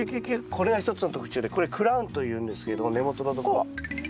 これが一つの特徴でこれクラウンというんですけれども根元のところ。